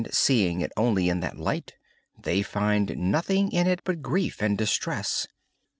Seeing it only in that light, they find nothing in it but grief and distress.